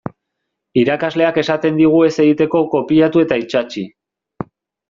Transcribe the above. Irakasleak esaten digu ez egiteko kopiatu eta itsatsi.